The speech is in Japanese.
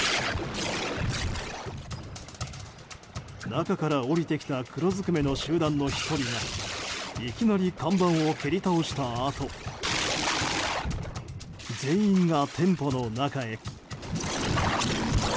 中から降りてきた黒ずくめの集団の１人がいきなり看板を蹴り倒したあと全員が店舗の中へ。